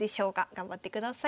頑張ってください。